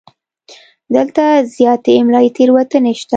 دلته زیاتې املایي تېروتنې شته.